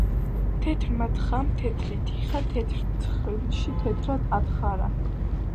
თეთრმა თხამ თეთრი თიხა თეთრ თხრილში თეთრად თხარა.